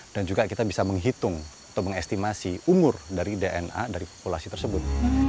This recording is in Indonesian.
dan juga kita bisa menghitung atau mengestimasi umur dari dna dari populasi tersebut